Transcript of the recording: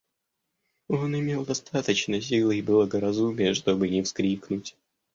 Он имел достаточно силы и благоразумия, чтобы не вскрикнуть.